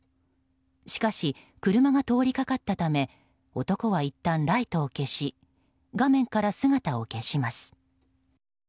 しかし、車が通りかかったため男はいったんライトを消し画面から姿を消します。